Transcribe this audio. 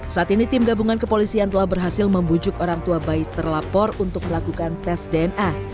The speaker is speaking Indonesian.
saat ini tim gabungan kepolisian telah berhasil membujuk orang tua bayi terlapor untuk melakukan tes dna